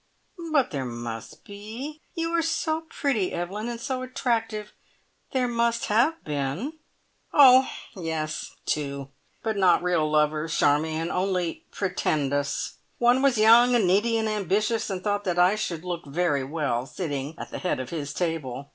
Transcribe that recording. "But there must be you are so pretty, Evelyn, and so attractive there must have been." "Oh yes; two. But not real lovers, Charmion, only pretendus. One was young and needy and ambitious, and thought that I should look very well sitting at the head of his table.